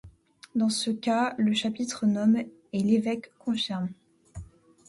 Dans ce cas, le chapitre nomme et l'évêque confirme.